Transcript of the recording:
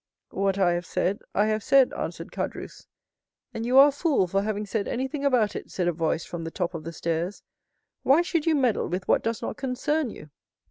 "What I have said, I have said," answered Caderousse. "And you are a fool for having said anything about it," said a voice from the top of the stairs. "Why should you meddle with what does not concern you?"